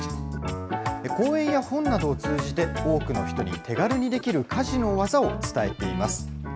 講演や本などを通じて、多くの人に手軽にできる家事の技を伝えています。